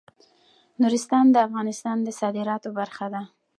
نورستان د افغانستان د صادراتو برخه ده.